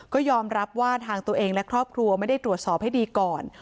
ก็ยอมรับว่าทางตัวเองและครอบครัวไม่ได้ตรวจสอบให้ดีก่อน